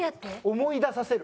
思い出させる。